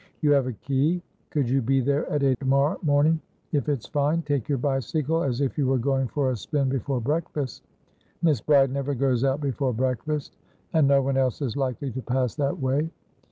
"You have a key. Could you be there at eight tomorrow morning? If it's fine, take your bicycle, as if you were going for a spin before breakfast. Miss Bride never goes out before breakfast, and no one else is likely to pass that way."